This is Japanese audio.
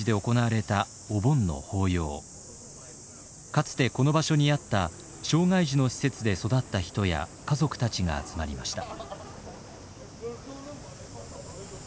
かつてこの場所にあった障害児の施設で育った人や家族たちが集まりました。